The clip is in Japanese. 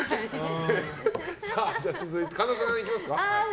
続いて、神田さんいきますか。